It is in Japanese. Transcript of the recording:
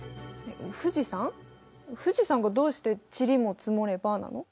富士山がどうして「塵も積もれば」なの？